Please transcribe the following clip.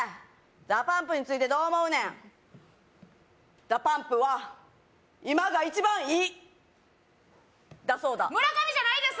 ＤＡＰＵＭＰについてどう思うねんＤＡＰＵＭＰは今が一番いいだそうだ村上じゃないです